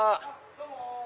どうも！